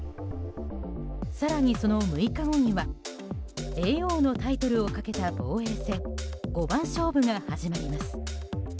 更にその６日後には叡王のタイトルをかけた防衛戦五番勝負が始まります。